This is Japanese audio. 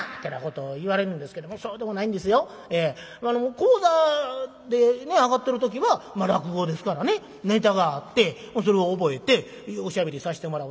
高座で上がってる時はまあ落語ですからねネタがあってそれを覚えておしゃべりさせてもらう。